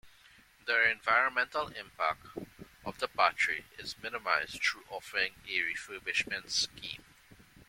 The environmental impact of the battery is minimised through offering a refurbishment scheme.